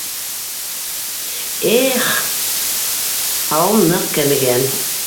Эх!.. — һауым ныҡ кәмегән.